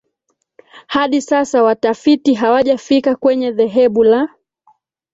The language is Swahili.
Hadi sasa watafiti hawajafika kwenye dhehebu la